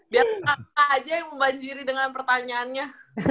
biar apa aja yang membanjiri dengan pertanyaannya